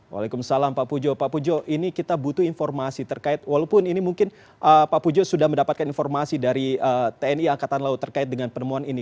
waalaikumsalam pak pujo pak pujo ini kita butuh informasi terkait walaupun ini mungkin pak pujo sudah mendapatkan informasi dari tni angkatan laut terkait dengan penemuan ini